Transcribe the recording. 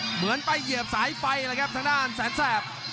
เหมือนไปเหยียบสายไฟเลยครับทางด้านแสนแสบ